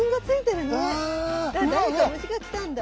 誰か虫が来たんだ。